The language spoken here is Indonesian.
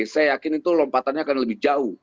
saya yakin itu lompatannya akan lebih jauh